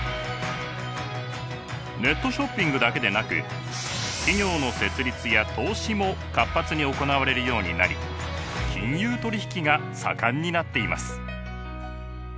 ネットショッピングだけでなく企業の設立や投資も活発に行われるようになり金融取引が盛んになっています。